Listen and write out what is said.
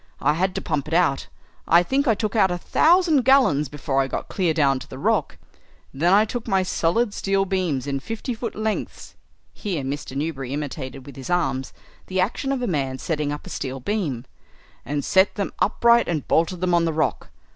I had to pump it out; I think I took out a thousand gallons before I got clear down to the rock. Then I took my solid steel beams in fifty foot lengths," here Mr. Newberry imitated with his arms the action of a man setting up a steel beam, "and set them upright and bolted them on the rock.